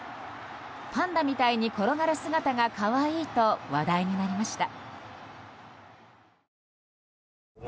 パンダみたいに転がる姿が可愛いと話題になりました。